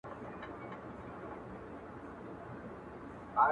پر اوږو د وارثانو جنازه به دي زنګیږي-